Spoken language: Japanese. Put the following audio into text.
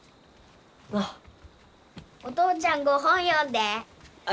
お父ちゃんご本読んで。え？